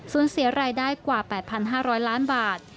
ส่วนเสียรายได้กว่า๘๕๐๐ล้านบาท